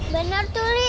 bener tuh li